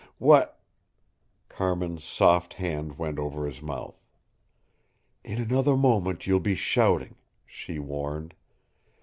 What " Carmin's soft hand went over his mouth. "In another moment you'll be shouting," she warned.